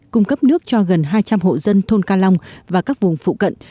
cung cấp nước cho gần hai trăm linh hộ dân thôn ca long và các vùng phụ cận